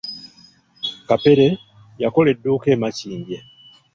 Kapere, yakola edduuka e Makindye.